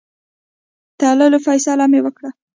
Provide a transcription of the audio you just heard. تللو فیصله مې وکړه.